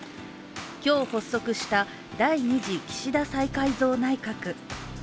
今日発足した第２次岸田再改造内閣。